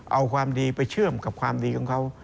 เอาความดีไปเชื่อมกับความดีของเขา